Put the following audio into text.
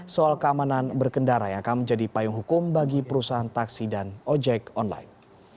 soal keamanan berkendara yang akan menjadi payung hukum bagi perusahaan taksi dan ojek online